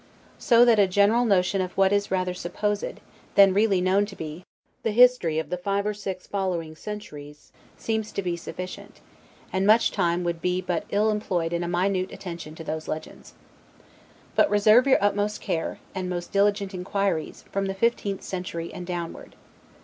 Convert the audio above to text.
So that a general notion of what is rather supposed, than really known to be, the history of the five or six following centuries, seems to be sufficient; and much time would be but ill employed in a minute attention to those legends. But reserve your utmost care, and most diligent inquiries, from the fifteenth century, and downward.